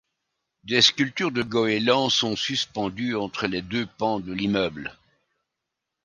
Des sculptures de goélands sont suspendues entre les deux pans de l'immeuble.